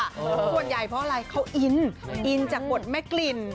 ส่วนใหญ่เพราะอะไรเขาอินอินจากบทแม่กลิ่น